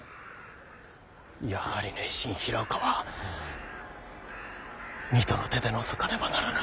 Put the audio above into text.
やはり佞臣平岡は水戸の手で除かねばならぬ。